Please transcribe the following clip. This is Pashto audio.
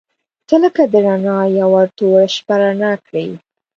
• ته لکه د رڼا یوه توره شپه رڼا کړې.